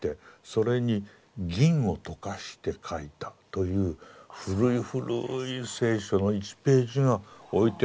それに銀を溶かして書いたという古い古い聖書の１ページが置いて。